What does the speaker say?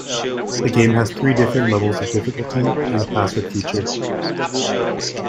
The game has three different levels of difficulty and a password feature.